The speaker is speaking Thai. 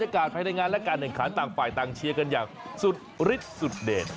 การภายในงานและการแข่งขันต่างฝ่ายต่างเชียร์กันอย่างสุดฤทธิสุดเดช